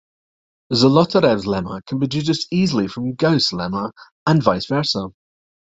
Zolotarev's lemma can be deduced easily from Gauss's lemma and "vice versa".